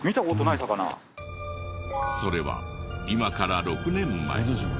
それは今から６年前。